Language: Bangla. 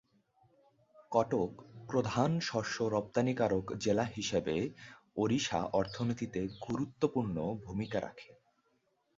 কটক প্রধান শস্য-রপ্তানিকারক জেলা হিসেবে ওড়িশার অর্থনীতিতে গুরুত্বপূর্ণ ভূমিকা রাখে।